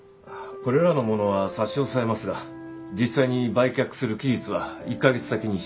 これらのものは差し押さえますが実際に売却する期日は１カ月先に指定します。